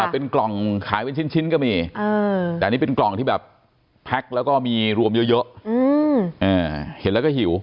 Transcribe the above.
เป็นกล่องขายเป็นชิ้นก็มีแต่อันนี้เป็นกล่องที่แบบแพ็คแล้วก็มีรวมเยอะเห็นแล้วก็หิว